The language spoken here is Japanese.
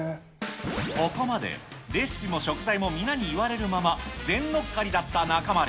ここまでレシピも食材も皆に言われるまま、全乗っかりだった中丸。